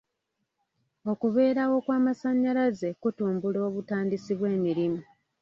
Okubeerawo kw'amasannyalaze kutumbula obutandisi bw'emirimu.